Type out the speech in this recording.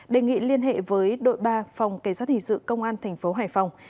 đề nghị liên hệ với đội ba phòng kỳ sát hình sự công an tp hải phòng